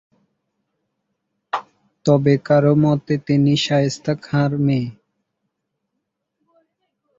তবে কারো মতে তিনি শায়েস্তা খাঁর মেয়ে।